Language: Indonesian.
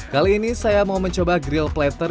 kali ini saya mau mencoba grill plater